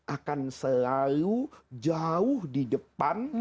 akan selalu jauh di depan